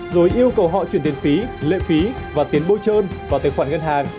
rồi yêu cầu họ chuyển tiền phí lệ phí và tiền bôi trơn vào tài khoản ngân hàng